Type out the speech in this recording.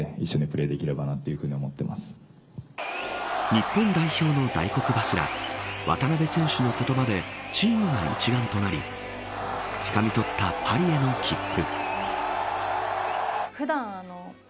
日本代表の大黒柱渡邊選手の言葉でチームが一丸となりつかみ取ったパリへの切符。